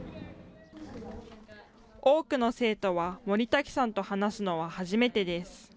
多くの生徒は森瀧さんと話すのは初めてです。